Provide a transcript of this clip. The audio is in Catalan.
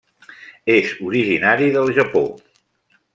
És originari del Japó.